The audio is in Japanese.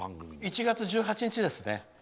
１月１８日ですね。